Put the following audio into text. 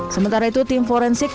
sementara itu tim forensik